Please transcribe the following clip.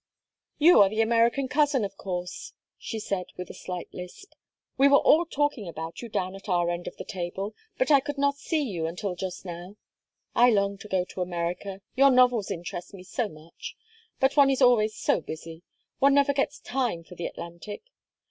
"You are the American cousin, of course," she said, with a slight lisp. "We were all talking about you down at our end of the table, but I could not see you until just now. I long to go to America, your novels interest me so much. But one is always so busy one never gets time for the Atlantic.